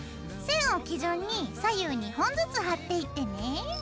線を基準に左右２本ずつ貼っていってね。